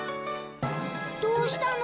どうしたの？